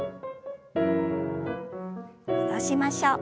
戻しましょう。